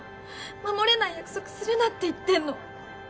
守れない約束するなって言ってんの。